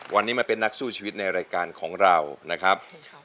วันนี้มาเป็นนักสู้ชีวิตในรายการของเรานะครับ